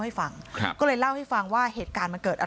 พี่น้องของผู้เสียหายแล้วเสร็จแล้วมีการของผู้เสียหาย